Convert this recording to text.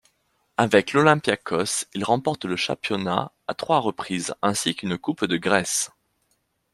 Avec l'Olympiakos il remporte le championnat à trois reprises ainsi qu'une Coupe de Grèce.